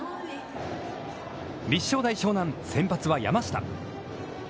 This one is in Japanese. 立正大湘南、先発は山下。